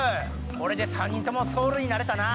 これで３人ともソールになれたな。